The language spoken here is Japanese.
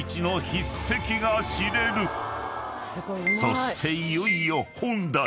［そしていよいよ本題］